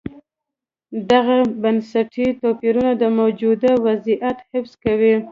دغه بنسټي توپیرونه د موجوده وضعیت حفظ کوي.